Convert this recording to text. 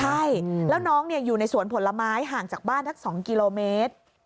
ใช่แล้วน้องอยู่ในสวนผลไม้ห่างจากบ้านทั้ง๒กิโลเมตร